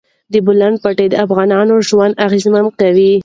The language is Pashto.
د بولان پټي د افغانانو ژوند اغېزمن کوي.